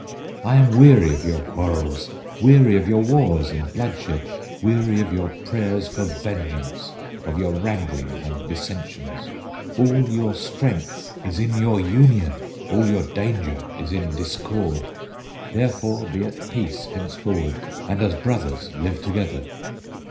"I am weary of your quarrels, Weary of your wars and bloodshed, Weary of your prayers for vengeance, Of your wranglings and dissensions; All your strength is in your union, All your danger is in discord; Therefore be at peace henceforward, And as brothers live together.